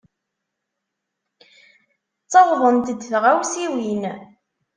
Ttawḍent-d tɣawsiwin.